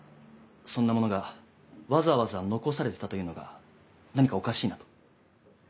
そんな物がわざわざ残されてたというのが何かおかしいなと。